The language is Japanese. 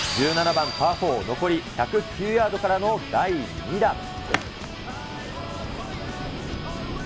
１７番パー４、残り１０９ヤードからの第２打。